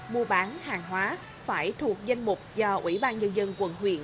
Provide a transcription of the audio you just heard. mua bán hàng hóa phải thuộc danh mục do ủy ban nhân dân quận huyện